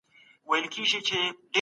د کالج زده کوونکي لاسي کارونه زده کوي.